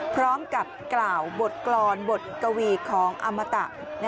พร้อมกับกล่าวบทกรรมบทกวีของอมตะ